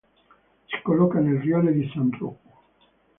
Si colloca nel rione di San Rocco.